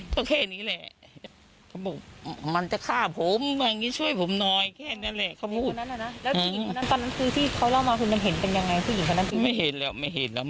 แค่นี้แหละเขาบอกมันจะฆ่าผม